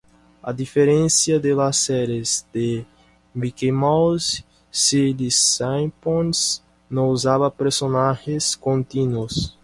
A diferencia de las series de "Mickey Mouse", "Silly Symphonies" no usaba personajes continuos.